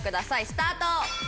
スタート。